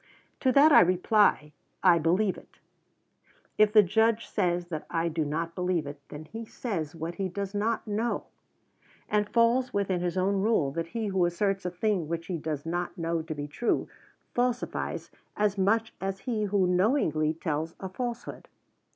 To that I reply, I believe it. If the Judge says that I do not believe it, then he says what he does not know, and falls within his own rule that he who asserts a thing which he does not know to be true, falsifies as much as he who knowingly tells a falsehood.